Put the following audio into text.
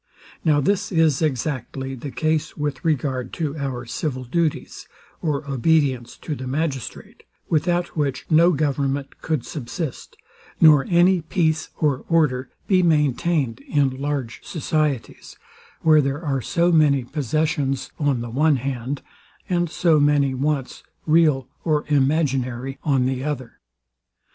Now this is exactly the case with regard to our civil duties, or obedience to the magistrate; without which no government could subsist, nor any peace or order be maintained in large societies, where there are so many possessions on the one hand, and so many wants, real or imaginary, on the other.